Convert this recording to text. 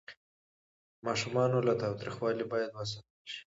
ماشومان له تاوتریخوالي باید وساتل شي.